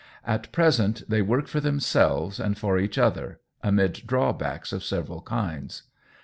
At present they work for themselves and for each other, amid drawbacks of several kinds.